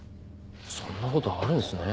そんな事あるんですね。